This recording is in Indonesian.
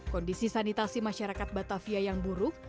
kondisi sanitasi masyarakat batavia yang buruk